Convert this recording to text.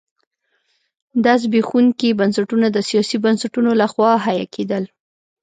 دا زبېښونکي بنسټونه د سیاسي بنسټونو لخوا حیه کېدل.